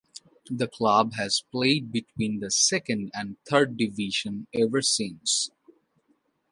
The club has played between the Second and Third Division ever since.